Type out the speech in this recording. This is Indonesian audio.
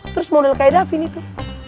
terus model kayak davin itu